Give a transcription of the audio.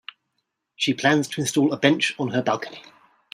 She plans to install a bench on her balcony.